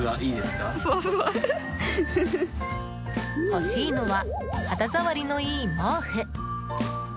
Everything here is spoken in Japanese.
欲しいのは肌触りのいい毛布。